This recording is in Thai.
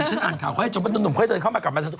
ฉันอ่านข่าวค่ะจนตอนนุ่มค่อยเดินเข้ามากลับมา